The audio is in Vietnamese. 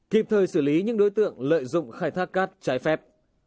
kịp thời xử lý những đối tượng lợi dụng khai thác cát trái phép